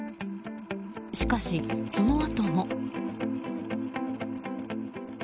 しかし、そのあとも。